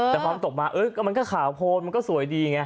แต่พอมันตกมามันก็ขาวโพนมันก็สวยดีไง